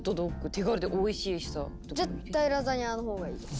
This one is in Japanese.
絶対ラザニアの方がいいです。